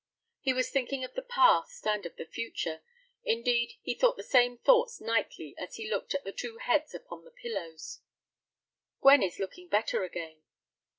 He was thinking of the past and of the future. Indeed, he thought the same thoughts nightly as he looked at the two heads upon the pillows. "Gwen is looking better again."